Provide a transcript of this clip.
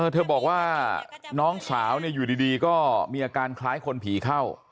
เธอบอกว่าน้องสาวอยู่ดีก็มีอาการคล้ายคนผีเข้า